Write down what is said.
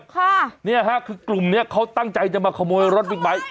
ค่ะเนี่ยฮะคือกลุ่มเนี้ยเขาตั้งใจจะมาขโมยรถบิ๊กไบท์